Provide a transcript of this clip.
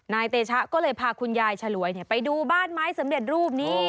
เตชะก็เลยพาคุณยายฉลวยไปดูบ้านไม้สำเร็จรูปนี้